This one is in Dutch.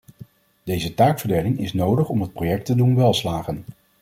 Deze taakverdeling is nodig om het project te doen welslagen.